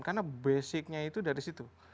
karena basicnya itu dari situ